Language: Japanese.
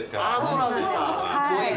そうなんですか。